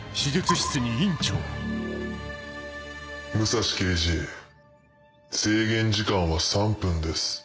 武蔵刑事制限時間は３分です。